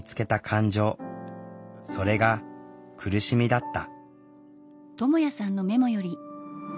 それが「苦しみ」だった。